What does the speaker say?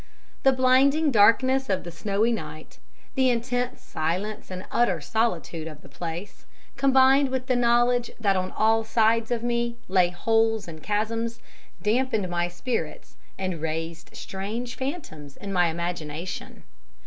The blinding darkness of the snowy night, the intense silence and utter solitude of the place, combined with the knowledge that on all sides of me lay holes and chasms, dampened my spirits and raised strange phantoms in my imagination.